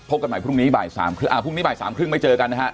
กันใหม่พรุ่งนี้บ่ายสามครึ่งอ่าพรุ่งนี้บ่ายสามครึ่งไม่เจอกันนะฮะ